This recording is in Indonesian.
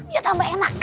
ya tambah enak